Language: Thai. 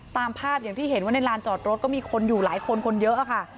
ตามภาพอย่างที่เห็นว่าในลานจอดรถก็มีคนอยู่หลายคนคนเยอะค่ะ